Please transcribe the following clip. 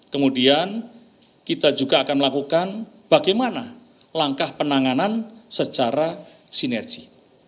kemudian kita juga akan melakukan bagaimana langkah penanganan secara sinergi